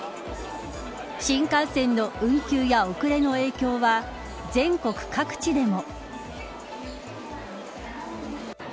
新幹線の運休や遅れの影響は全国各地でも。